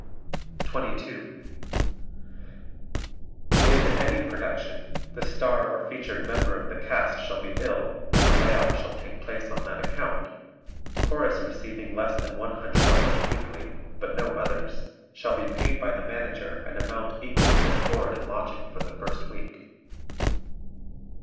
[Illustration: EDDIE CANTOR] 22. If in any production, the star or featured member of the cast shall be ill and a lay off shall take place on that account, Chorus receiving less than $100 weekly (but no others) shall be paid by the Manager an amount equal to their board and lodging for the first week.